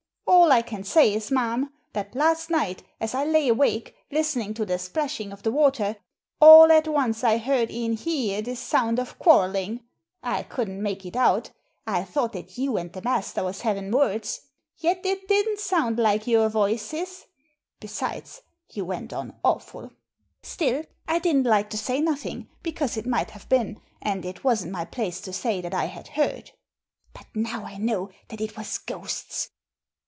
''All I can say is, ma'am, that last night as I lay awake, listening to the splashing of the water, all at once I heard in here the sound of quarrelling. I couldn't make it out. I thought that you and the master was having words. Yet it didn't sound like your voices. Besides, you went on awful. Still, I didn't like to say nothing, because it might have been, and it wasn't my place to say that I had heard. But now I know that it was ghosts."